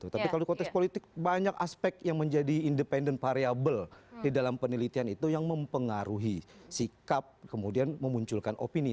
tapi kalau di konteks politik banyak aspek yang menjadi independent variable di dalam penelitian itu yang mempengaruhi sikap kemudian memunculkan opini